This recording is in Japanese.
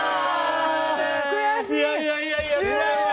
悔しい！